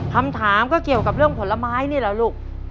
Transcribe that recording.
คำถามก็เกี่ยวกับเรื่องผลไม้นี่เหรอลูก